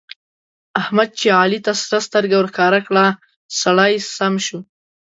احمد چې علي ته سره سترګه ورښکاره کړه؛ سړی سم شو.